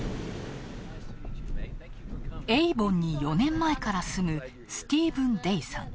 エイボンに４年前から住む、スティーブン・デイさん。